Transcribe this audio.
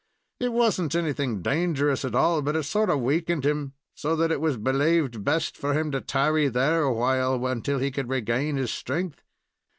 It was n't anything dangerous at all but it sort of weakened him, so that it was belaved best for him to tarry there awhile until he could regain his strength."